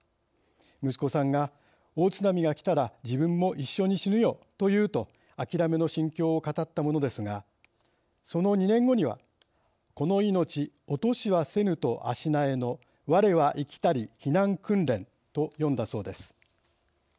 息子さんが大津波が来たら自分も一緒に死ぬよというとあきらめの心境を語ったものですがその２年後には「この命落としはせぬと足萎えの我は行きたり避難訓練」と詠んだそうです。